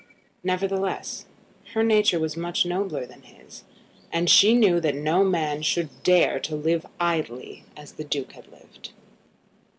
Nevertheless, her nature was much nobler than his; and she knew that no man should dare to live idly as the Duke had lived.